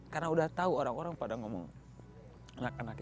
karena udah tahu orang orang pada ngomong